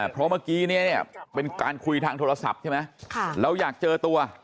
เพราะเมื่อกี้เนี่ยเป็นการคุยทางโทรศัพท์ใช่ไหมเราอยากเจอตัว